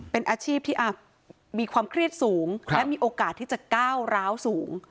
เป็นอาชีพที่มีความเครียดสูงและมีโอกาสที่จะก้าวร้าวสูง